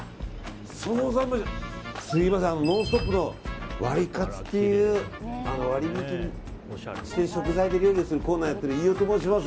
「ノンストップ！」のワリカツという割引した食材で料理するコーナーをやっている飯尾と申します。